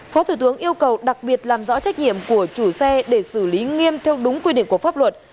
phó thủ tướng yêu cầu đặc biệt làm rõ trách nhiệm của chủ xe để xử lý nghiêm theo đúng quy định của pháp luật